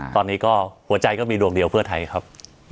ตอนนี้ก็หัวใจก็มีดวงเดียวเพื่อไทยครับ